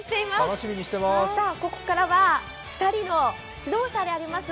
ここからは２人の指導者であります